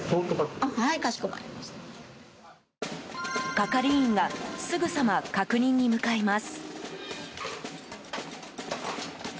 係員がすぐさま確認に向かいます。